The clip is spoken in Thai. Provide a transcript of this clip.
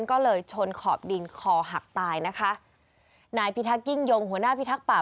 ก็เลยชนขอบดินคอหักตายนะคะนายพิทักยิ่งยงหัวหน้าพิทักษ์ป่า